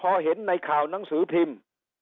ปรากฎว่าพอเห็นในข่าวนังสือพิมพ์